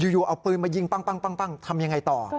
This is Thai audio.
อยู่เอาปืนมายิงทำอย่างไรต่อ